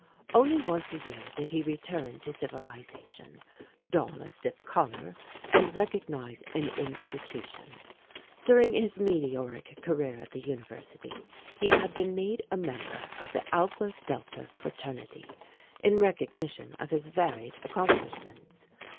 Only once a year did he return to civilization, don a stiff collar, and recognize an institution. During his meteoric career at the University he had been made a member of the Alpha Delta fraternity, in recognition of his varied accomplishments.